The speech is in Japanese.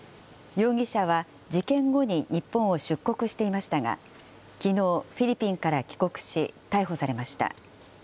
容疑者は事件後に日本を出国していましたが、きのう、フィリピンから帰国し、逮捕されました。